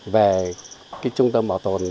về trung tâm bảo tồn